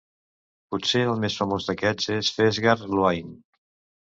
Potser el més famós d'aquests és "Feasgar Luain".